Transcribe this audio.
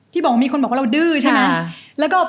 ที่บอกว่ามีคนบอกว่าเราดื้อใช่ไหม